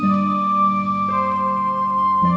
jangan lupa like share dan subscribe yaa